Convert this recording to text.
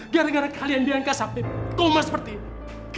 karena kalian sampai berkomat seperti ini